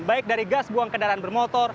baik dari gas buang kendaraan bermotor